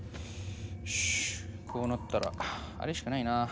よしこうなったらあれしかないな。